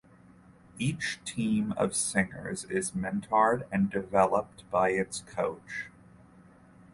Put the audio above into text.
Each team of singers is mentored and developed by its coach.